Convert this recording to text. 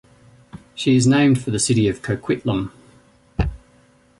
She is named for the city of Coquitlam.